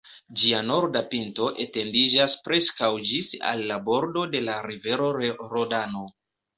Ĝia norda pinto etendiĝas preskaŭ ĝis al la bordo de la rivero Rodano.